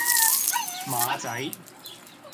馬仔